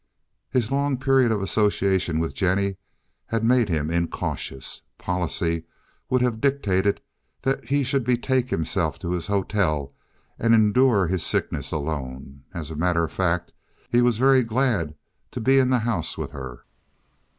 His long period of association with Jennie had made him incautious. Policy would have dictated that he should betake himself to his hotel and endure his sickness alone. As a matter of fact, he was very glad to be in the house with her.